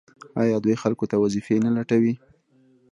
آیا دوی خلکو ته وظیفې نه لټوي؟